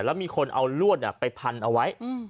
แล้วมีคนเอาลวดไปพันเอาไว้